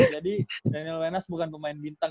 jadi daniel lenas bukan pemain bintang